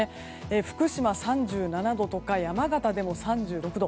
福島３７度山形でも３６度。